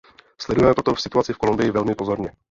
Sledujeme proto situaci v Kolumbii velmi pozorně.